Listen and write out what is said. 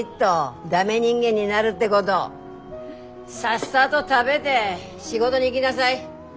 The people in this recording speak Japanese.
さっさど食べで仕事に行ぎなさい。